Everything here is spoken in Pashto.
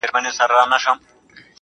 زما د زړه ډېوه روښانه سي~